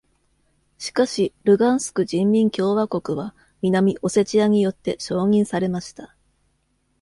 しかし、ルガンスク人民共和国は南オセチアによって承認されました。